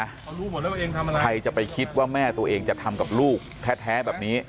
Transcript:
เขารู้หมดแล้วตัวเองทำอะไรใครจะไปคิดว่าแม่ตัวเองจะทำกับลูกแท้แบบนี้